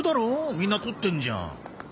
みんな採ってるじゃん。